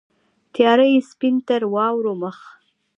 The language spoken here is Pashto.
تیاره یې سپین تر واورو مخ